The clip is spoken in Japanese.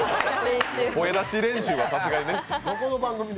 声出し練習はさすがにね。